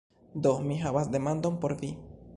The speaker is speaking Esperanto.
Do, mi havas demandon por vi